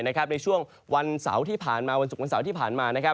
ในช่วงวันศุกร์วันเสาร์ที่ผ่านมา